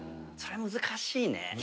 それ難しいね。